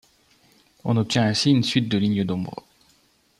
On obtient ainsi une suite de lignes d'ombre.